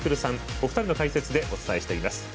お二人の解説でお伝えしています。